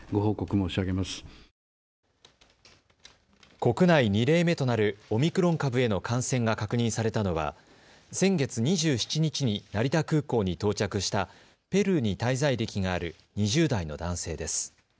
国内２例目となるオミクロン株への感染が確認されたのは先月２７日に成田空港に到着したペルーに滞在歴がある２０代の男性です。